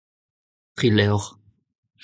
tri levr.